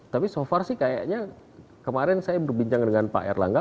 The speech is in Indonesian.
tapi so far sih kayaknya kemarin saya berbincang dengan pak erlangga